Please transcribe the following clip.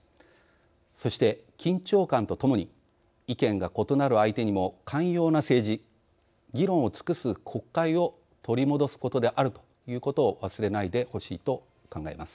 そして緊張感とともに意見が異なる相手にも寛容な政治、議論を尽くす国会を取り戻すことであること忘れないでほしいと考えます。